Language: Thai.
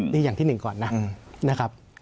นี่อย่างที่๑ก่อนนะครับ